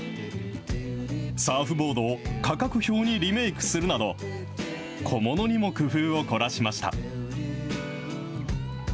サーフボードを価格表にリメークするなど、小物にも工夫を凝らしました。